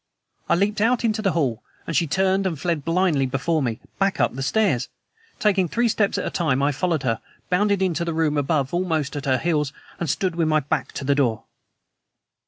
I leaped out into the hall, and she turned and fled blindly before me back up the stairs! Taking three steps at a time, I followed her, bounded into the room above almost at her heels, and stood with my back to the door.